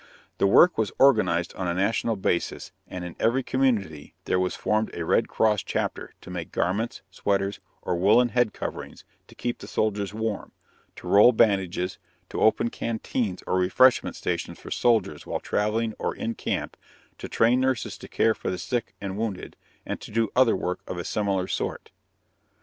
The work was organized on a national basis and in every community there was formed a Red Cross Chapter to make garments, sweaters, or woolen head coverings to keep the soldiers warm; to roll bandages; to open canteens or refreshment stations for soldiers while traveling or in camp; to train nurses to care for the sick and wounded, and to do other work of a similar sort.